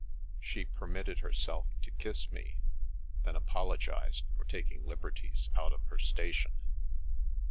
She permitted herself to kiss me, then apologised for taking liberties out of her station.